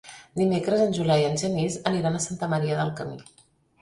Dimecres en Julià i en Genís aniran a Santa Maria del Camí.